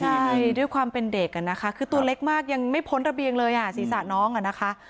ใช่ด้วยความเป็นเด็กอ่ะนะคะคือตัวเล็กมากยังไม่พ้นระเบียงเลยอ่ะศีรษะน้องอ่ะนะคะ